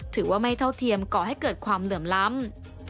ถือว่าไม่เท่าเทียมก่อให้เกิดความเหลื่อมล้ำ